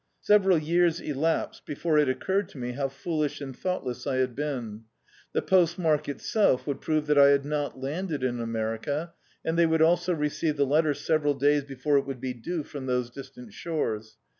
Several years elapsed before it oc curred to me how foolish and thou^tless I had been. The postmark itself would prove that I had not landed in America, and they would also receive the letter several days before it would be due from those distant shores.